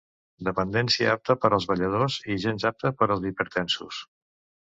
Dependència apta per als balladors i gens apta per als hipertensos.